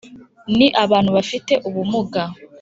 Ni Abantu bafite ubumuga